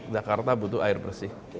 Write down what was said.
jakarta butuh air bersih